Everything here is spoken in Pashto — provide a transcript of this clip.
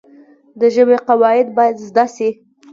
د ژبي قواعد باید زده سي.